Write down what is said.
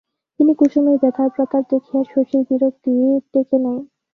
কিন্তু কুসুমের ব্যথার প্রতাপ দেখিয়া শশীর বিরক্তি টেকে নাই।